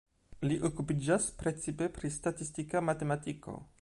Li okupiĝas precipe pri statistika matematiko.